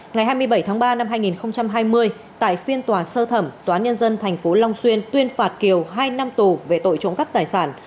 ngày hai mươi bảy tháng ba năm hai nghìn hai mươi tại phiên tòa sơ thẩm tòa án nhân dân tp long xuyên tuyên phạt kiều hai năm tù về tội trộm cắp tài sản